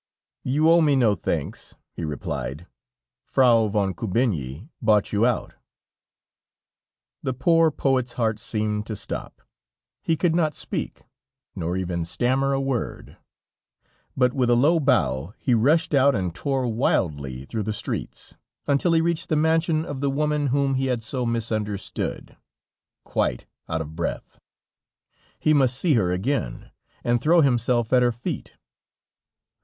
"You owe me no thanks," he replied; "Frau von Kubinyi bought you out." The poor poet's heart seemed to stop; he could not speak, nor even stammer a word; but with a low bow, he rushed out and tore wildly through the streets, until he reached the mansion of the woman whom he had so misunderstood, quite out of breath; he must see her again, and throw himself at her feet.